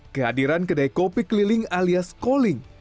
kehadiran kedai kopi keliling alias calling